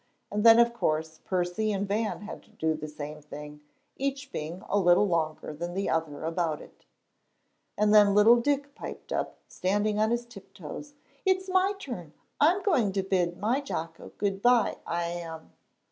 And then, of course, Percy and Van had to do the same thing, each being a little longer than the other about it. And then little Dick piped up, standing on his tiptoes, "It's my turn; I'm going to bid my Jocko good by, I am."